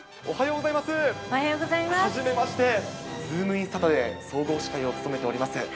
おはようございます。